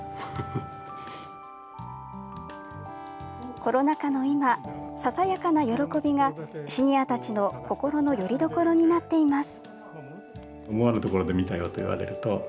コロナ禍の今ささやかな喜びがシニアたちの心のよりどころになっています。